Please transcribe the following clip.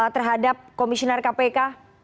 terhadap komisioner kpk